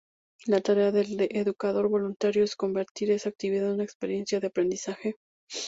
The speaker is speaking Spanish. La tarea del educador voluntario es convertir esa actividad en una experiencia de aprendizaje.